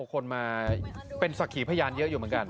คนมาเป็นสักขีพยานเยอะอยู่เหมือนกัน